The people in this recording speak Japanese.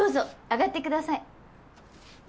上がってください。